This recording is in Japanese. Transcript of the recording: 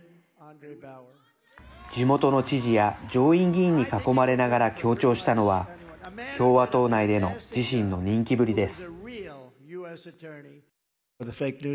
地元の知事や上院議員に囲まれながら強調したのは共和党内での自身の人気ぶりです。